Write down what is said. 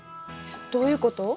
どういうこと？